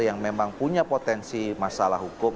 yang memang punya potensi masalah hukum